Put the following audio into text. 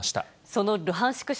そのルハンシク